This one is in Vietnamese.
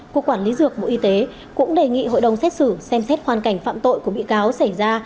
cục quản lý dược bộ y tế cũng đề nghị hội đồng xét xử xem xét hoàn cảnh phạm tội của bị cáo xảy ra